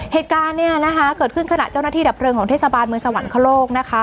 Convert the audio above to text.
เหตุการณ์เนี่ยนะคะเกิดขึ้นขณะเจ้าหน้าที่ดับเพลิงของเทศบาลเมืองสวรรคโลกนะคะ